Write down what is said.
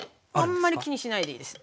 あんまり気にしないでいいです。